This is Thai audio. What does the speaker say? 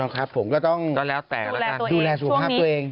ครับผมก็ต้องดูแลสุขภาพตัวเอง